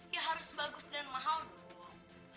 ya harus bagus dan mahal